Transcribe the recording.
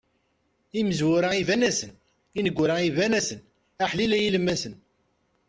Imezwura iban-asen, ineggura iban-asen, aḥlil a yilemmasen.